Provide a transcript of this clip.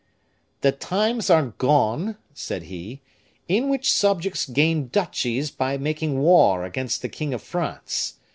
"The times are gone," said he, "in which subjects gained duchies by making war against the king of France.